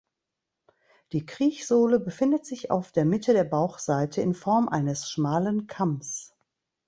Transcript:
Die Kriechsohle befindet sich auf der Mitte der Bauchseite in Form eines schmalen Kamms.